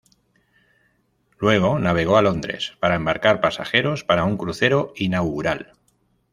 Luego navegó a Londres para embarcar pasajeros para un crucero inaugural.